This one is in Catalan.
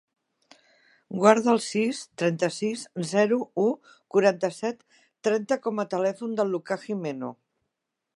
Guarda el sis, trenta-sis, zero, u, quaranta-set, trenta com a telèfon del Lucà Gimeno.